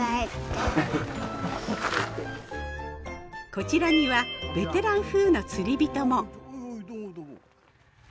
こちらにはベテラン風の釣り人も。